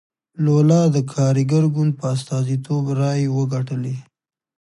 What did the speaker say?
لولا د کارګر ګوند په استازیتوب رایې وګټلې.